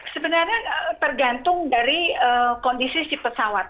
sebenarnya tergantung dari kondisi si pesawat